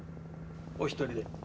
お１人で？